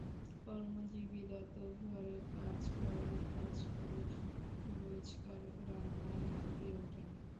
কর্মজীবীরা তো ঘরের কাজ, বাইরের কাজ করে রোজকার রান্নায় হাঁপিয়েই ওঠেন।